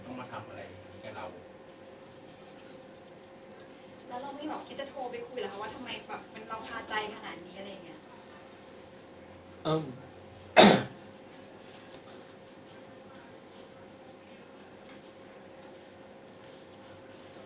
นะครับเขาได้แต่ลงบันทึกประจำวันเลยว่า